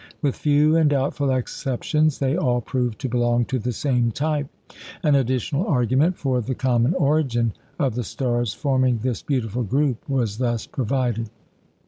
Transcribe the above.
With few and doubtful exceptions, they all proved to belong to the same type. An additional argument for the common origin of the stars forming this beautiful group was thus provided.